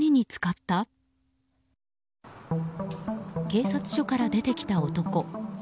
警察署から出てきた男。